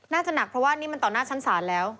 น่าจะหนักเพราะว่านี่มันต่อหน้าชั้นศาลแล้ว